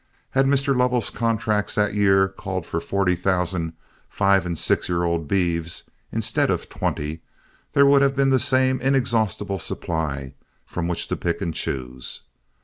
Had Mr. Lovell's contracts that year called for forty thousand five and six year old beeves, instead of twenty, there would have been the same inexhaustible supply from which to pick and choose.